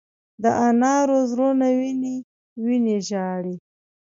د انارو زړونه وینې، وینې ژاړې